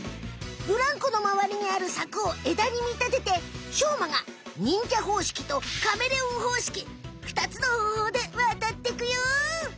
ブランコのまわりにあるさくを枝にみたててしょうまが忍者方式とカメレオン方式２つのほうほうで渡ってくよ！